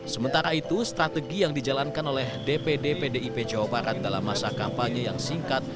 sementara itu strategi yang dijalankan oleh dpd pdip jawa barat dalam masa kampanye yang singkat